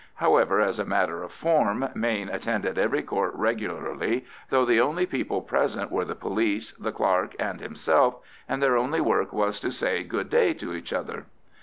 However, as a matter of form, Mayne attended every Court regularly, though the only people present were the police, the clerk, and himself, and their only work to say good day to each other.